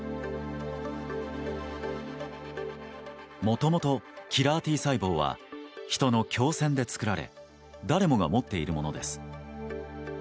もともとキラーＴ細胞はヒトの胸腺で作られ誰もが持っているものです。